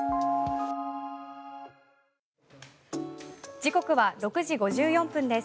時刻は６時５４分です。